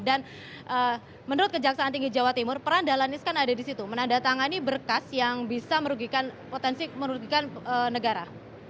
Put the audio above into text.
jadi menurut kejaksaan tinggi jawa timur peran dalan iskan ada di situ menandatangani berkas yang bisa merugikan potensi merugikan negara